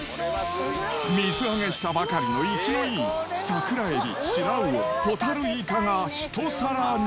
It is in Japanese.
水揚げしたばかりの生きのいい桜エビ、シラウオ、ホタルイカが一皿に。